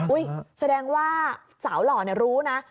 อุ๊ยแสดงว่าสาวหล่อเนี่ยรู้นะ